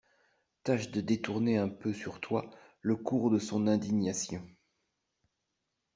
Tâche de détourner un peu sur toi le cours de son indignation.